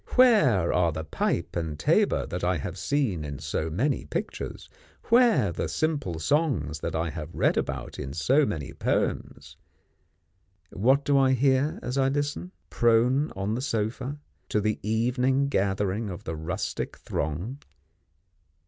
Where are the pipe and tabour that I have seen in so many pictures; where the simple songs that I have read about in so many poems? What do I hear as I listen, prone on the sofa, to the evening gathering of the rustic throng?